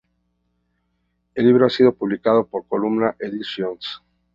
El libro ha sido publicado por Columna Edicions.